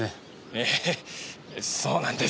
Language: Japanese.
ええそうなんですよ。